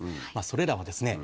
それらはですね